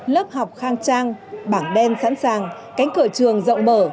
lớp học khang trang bảng đen sẵn sàng cánh cửa trường rộng mở